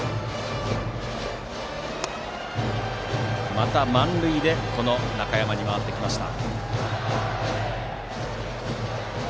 また満塁で中山に回ってきました。